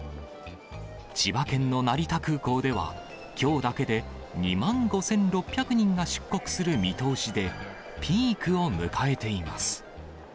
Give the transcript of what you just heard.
千葉県の成田空港では、きょうだけで２万５６００人が出国する見通しで、ピークを迎えています。